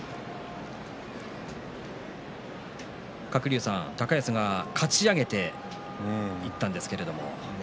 鶴竜さん、高安がかち上げていったんですけど。